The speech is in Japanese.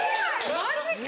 ・マジか！